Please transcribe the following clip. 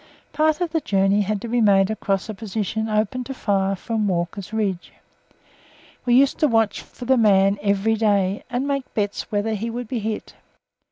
Part of the journey had to be made across a position open to fire from Walker's Ridge. We used to watch for the man every day, and make bets whether he would be hit.